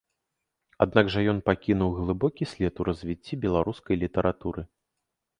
Аднак жа ён пакінуў глыбокі след у развіцці беларускай літаратуры.